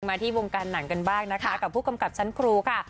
ที่วงการหนังกันบ้างนะคะกับผู้กำกับชั้นครูค่ะ